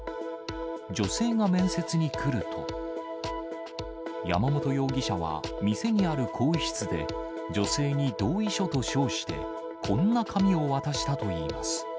女性が面接に来ると、山本容疑者は、店にある更衣室で、女性に同意書と称して、こんな紙を渡したといいます。